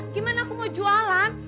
gimana aku mau jualan